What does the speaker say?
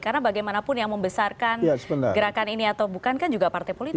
karena bagaimanapun yang membesarkan gerakan ini atau bukan kan juga partai politik